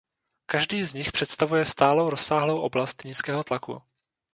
Každý z nich představuje stálou rozsáhlou oblast nízkého tlaku.